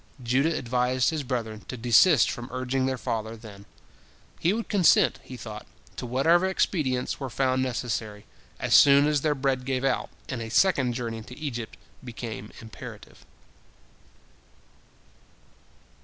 " Judah advised his brethren to desist from urging their father then; he would consent, he thought, to whatever expedients were found necessary, as soon as their bread gave out, and a second journey to Egypt became imperative.